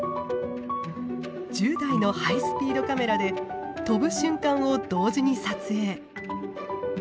１０台のハイスピードカメラで飛ぶ瞬間を同時に撮影。